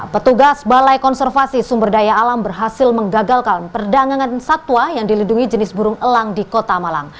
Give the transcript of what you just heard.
petugas balai konservasi sumber daya alam berhasil menggagalkan perdagangan satwa yang dilindungi jenis burung elang di kota malang